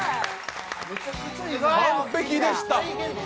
完璧でした。